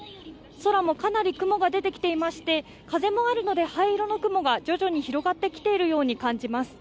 空もかなり雲が出てきていまして、風もあるので、灰色の雲が徐々に広がってきているように感じます。